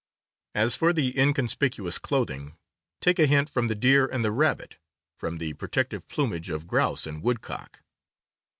As for inconspicuous clothing, take a hint from the deer and the rabbit, from the protective plumage of grouse and woodcock.